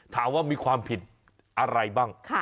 ถามว่ามีความผิดอะไรบ้าง